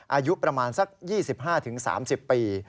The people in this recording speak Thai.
อายุประมาณสัก๒๕๓๐ปี